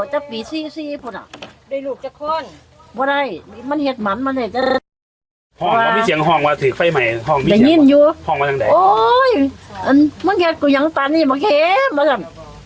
ห้องไปสี่เสียงห้องไว้ถือกไฟใหม่ห้องมีเสียงห้องไปซักใด